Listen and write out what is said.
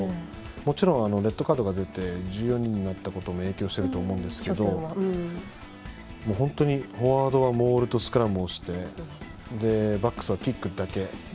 もちろんレッドカードが出て１４人になったことも影響していると思うんですけど本当にフォワードはモールとスクラムをしてバックスはキックだけ。